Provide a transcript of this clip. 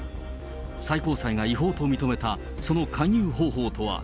最高裁が違法と認めた、その勧誘方法とは。